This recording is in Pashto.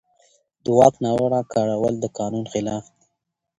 د واک ناوړه کارول د قانون خلاف دي.